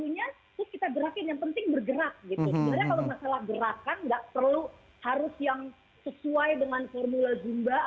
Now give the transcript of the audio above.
sebenarnya kalau masalah gerakan nggak perlu harus yang sesuai dengan formula jumlah atau apa